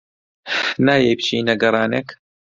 نایەی بچینە گەڕانێک؟